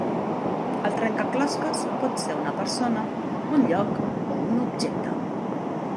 El trencaclosques pot ser una persona, un lloc o un objecte.